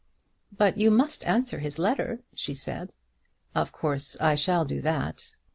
"But you must answer his letter," she said. "Of course I shall do that."